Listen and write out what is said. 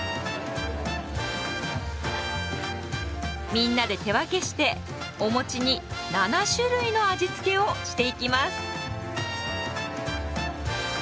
みんなで手分けしておもちに７種類の味付けをしていきます。